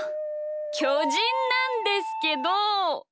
きょじんなんですけど！